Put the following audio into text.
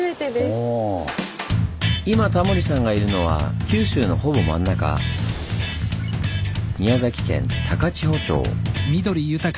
今タモリさんがいるのは九州のほぼ真ん中宮崎県高千穂町。